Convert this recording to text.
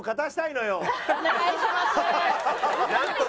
お願いします。